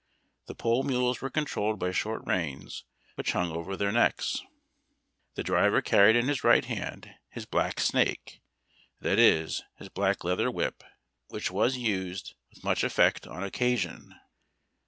The pole mules were controlled by short reins which hung over their necks. THE AliMY MULE. 283 The driver carried in his right hand his black snake, that is, his black leather whip, which was used with much effect on occasion.